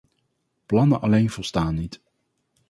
Plannen alleen volstaan niet.